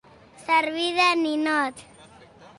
Servir de ninot.